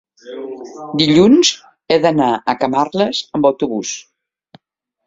dilluns he d'anar a Camarles amb autobús.